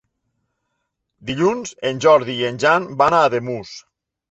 Dilluns en Jordi i en Jan van a Ademús.